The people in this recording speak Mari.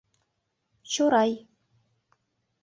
Чорай.